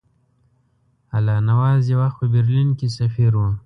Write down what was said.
الله نواز یو وخت په برلین کې سفیر وو.